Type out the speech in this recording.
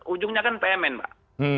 ujungnya kan pmn pak